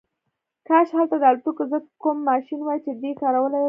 کاش هلته د الوتکو ضد کوم ماشین وای چې دی کارولی وای